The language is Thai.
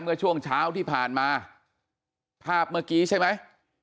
เมื่อช่วงเช้าที่ผ่านมาภาพเมื่อกี้ใช่ไหม